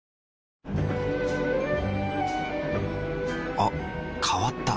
あ変わった。